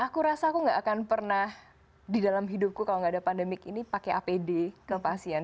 aku rasa aku gak akan pernah di dalam hidupku kalau nggak ada pandemik ini pakai apd ke pasien